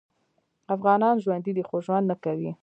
افغانان ژوندي دې خو ژوند نکوي